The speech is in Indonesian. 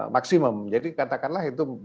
maksimum jadi katakanlah itu